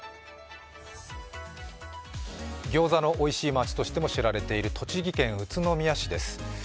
ギョーザのおいしい街としても知られている、栃木県宇都宮市です。